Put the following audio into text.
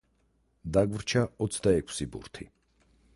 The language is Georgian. დაგვრჩა ოცდაექვსი ბურთი.